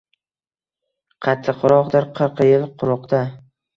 Qattiqroqdir, qirq yil quruqda